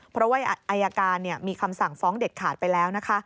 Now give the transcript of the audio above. เพราะว่าอายการมีคำสั่งฟ้องเด็ดขาดไปแล้วนะคะ